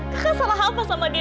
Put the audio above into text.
karena salah apa sama dia